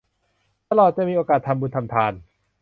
ตลอดจนมีโอกาสทำบุญทำทาน